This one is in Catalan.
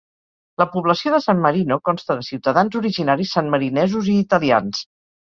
La població de San Marino consta de ciutadans originaris sanmarinesos i italians.